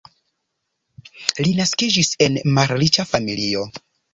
Li naskiĝis en malriĉa familio.